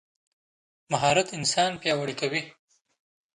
مهارت انسان پیاوړی کوي.